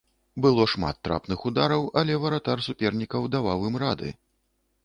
Было шмат трапных удараў, але варатар супернікаў даваў ім рады.